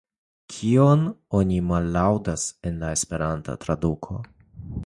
Kion oni mallaŭdas en la Esperanta traduko?